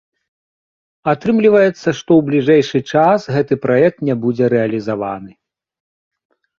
Атрымліваецца, што ў бліжэйшы час гэты праект не будзе рэалізаваны.